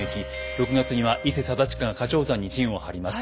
６月には伊勢貞親が華頂山に陣を張ります。